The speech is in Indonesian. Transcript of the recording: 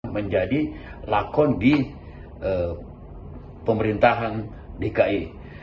menjadi lakon di pemerintahan dki